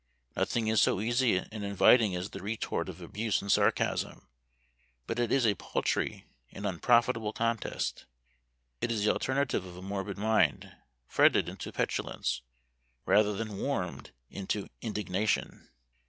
Nothing is so easy and inviting as the retort of abuse and sarcasm; but it is a paltry and an unprofitable contest. It is the alternative of a morbid mind, fretted into petulance, rather than warmed into indignation.